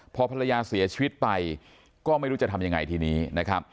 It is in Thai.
พอภรรยาเสียชีวิตไปก็ไม่รู้จะทำยังไงทีนี้นะครับ